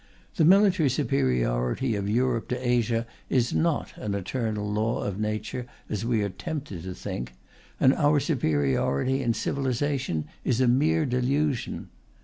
The military superiority of Europe to Asia is not an eternal law of nature, as we are tempted to think; and our superiority in civilization is a mere delusion.